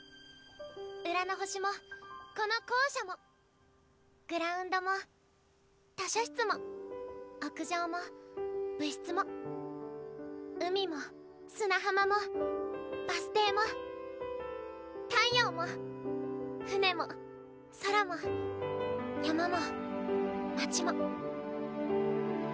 浦の星もこの校舎もグラウンドも図書室も屋上も部室も海も砂浜もバス停も太陽も船も空も山も町も。